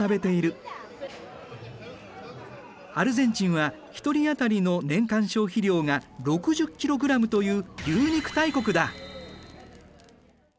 アルゼンチンは１人当たりの年間消費量が６０キログラムという牛肉大国だ。